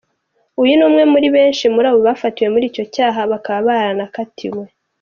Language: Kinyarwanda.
Uyu ni umwe muri benshi muri abo bafatiwe muri icyo cyaha bakaba baranakatiwe.